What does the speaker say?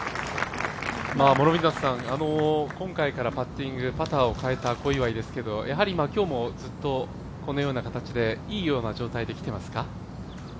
今回からパッティング、パターを変えた小祝ですがやはりこのような形でいいような状態できていますか？